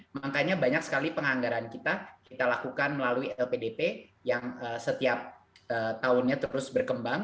makanya banyak sekali penganggaran kita kita lakukan melalui lpdp yang setiap tahunnya terus berkembang